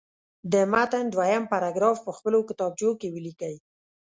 د متن دویم پاراګراف په خپلو کتابچو کې ولیکئ.